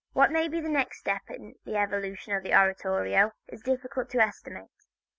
What may be the next step in the evolution of the oratorio it were difficult to estimate.